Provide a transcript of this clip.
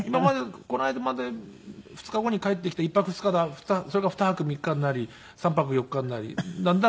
この間まで２日後に帰ってきて１泊２日だそれが２泊３日になり３泊４日になりだんだん